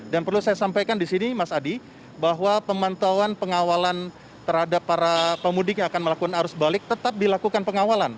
dan perlu saya sampaikan di sini mas adi bahwa pemantauan pengawalan terhadap para pemudik yang akan melakukan arus balik tetap dilakukan pengawalan